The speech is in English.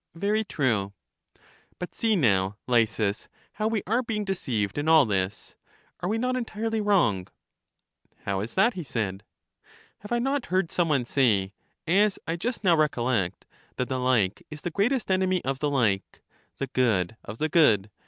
Very true. But see now. Lysis, how we are being deceived in all this; are we not entirely wrong? How is that? he said. Have I not heard some one say, as I just now rec ollect, that the like is the greatest enemy of the like, the good of the good